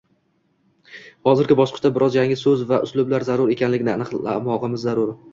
hozirgi bosqichda biroz yangi so‘z va uslublar zarur ekanligini anglamog‘imiz zarur.